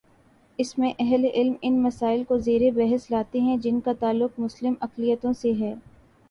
اس میں اہل علم ان مسائل کو زیر بحث لاتے ہیں جن کا تعلق مسلم اقلیتوں سے ہے۔